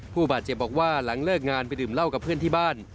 ผู้บาดเจ็บบอกว่าหลังเลิกงานไปดื่มเหล้ากับเพื่อนที่บ้าน